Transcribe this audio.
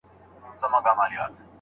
ښایي موږ له کړکۍ څخه ډبره چاڼ کړو.